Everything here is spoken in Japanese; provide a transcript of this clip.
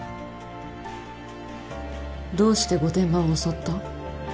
どうして御殿場を襲った？